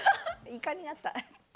イカになった。